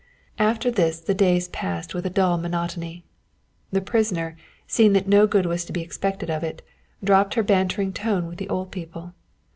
After this the days passed with a dull monotony. The prisoner, seeing that no good was to be expected of it, dropped her bantering tone with the old people.